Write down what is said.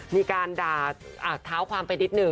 มีการด่าขาวท้าวความ